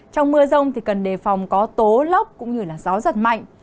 trong mưa rông thì cần đề phòng có tố lốc cũng như gió giật mạnh